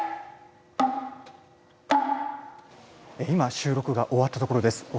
今収録が終わったところです。